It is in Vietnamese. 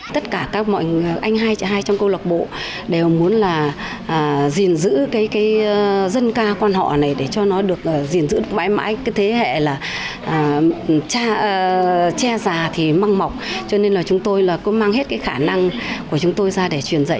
tất cả các mọi anh hai trong câu lạc bộ đều muốn là gìn giữ cái dân ca quan họ này để cho nó được gìn giữ mãi mãi cái thế hệ là cha già thì măng mọc cho nên là chúng tôi là cũng mang hết cái khả năng của chúng tôi ra để truyền dạy